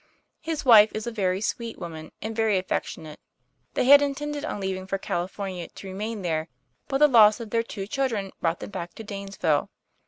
His wife is a very sweet woman and very affectionate. They had intended on leaving for California to remain there; but the loss of their two children brought them back to Danesville.